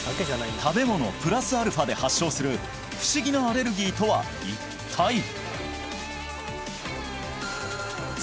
食べ物プラスアルファで発症する不思議なアレルギーとは一体！？